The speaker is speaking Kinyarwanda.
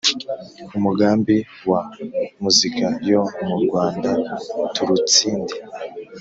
umugambiwa muzika yo mu rwanda turutsinde